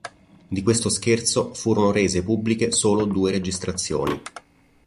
Di questo scherzo furono rese pubbliche solo due registrazioni.